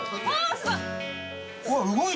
すごい！